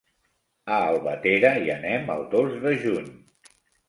A Albatera hi anem el dos de juny.